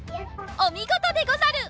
おみごとでござる！